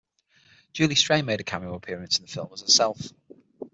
Julie Strain made a cameo appearance in the film as herself.